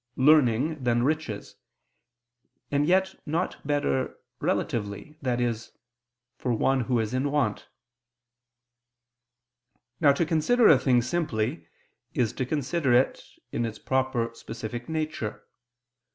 "learning than riches," and yet not better relatively, i.e. "for one who is in want" [*Aristotle, Topic. iii.]. Now to consider a thing simply is to consider it in its proper specific nature.